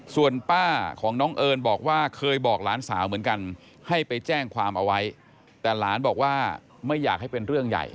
ส่วนป้าของน้องเอิญบอกว่าเคยบอกหลานสาวเหมือนกันให้ไปแจ้งความเอาไว้แต่หลานบอกว่าไม่อยากให้เป็นเรื่องใหญ่